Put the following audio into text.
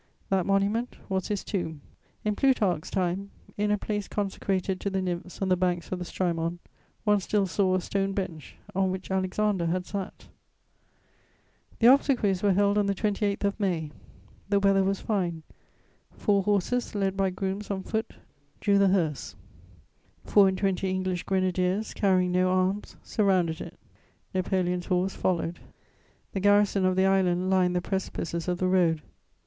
That monument was his tomb. In Plutarch's time, in a place consecrated to the nymphs on the banks of the Strymon, one still saw a stone bench on which Alexander had sat The obsequies were held on the 28th of May. The weather was fine: four horses, led by grooms on foot, drew the hearse; four and twenty English grenadiers, carrying no arms, surrounded it; Napoleon's horse followed. The garrison of the island lined the precipices of the road.